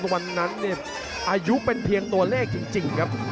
วันนั้นเนี่ยอายุเป็นเพียงตัวเลขจริงครับ